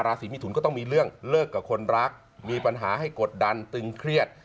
ราศีมิถุนก็ต้องมีเรื่องเลิกกับคนรักมีปัญหาให้กดดันตึงเครียด